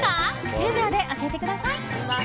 １０秒で教えてください！あります。